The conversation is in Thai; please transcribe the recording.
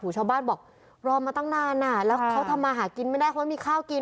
ชาวบ้านบอกรอมาตั้งนานอ่ะแล้วเขาทำมาหากินไม่ได้เขาไม่มีข้าวกิน